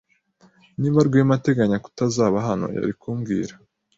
Niba Rwema ateganya kutazaba hano, yari kumbwira.